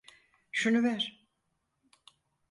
Şunu ver.